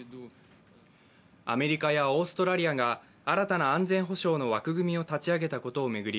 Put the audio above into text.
アメリカやオーストラリアが新たな安全保障の枠組みを立ち上げたことを巡り